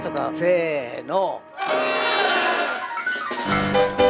せの！